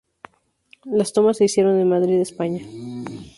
Las tomas se hicieron en Madrid, España.